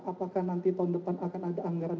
apakah nanti tahun depan akan ada anggaran